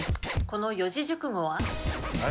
この四字熟語は？